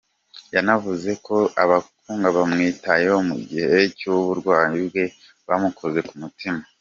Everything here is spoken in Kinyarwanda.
Yanavuze ko abaganga bamwitayeho mu gihe cy’uburwayi bwe bamukoze ku mutima.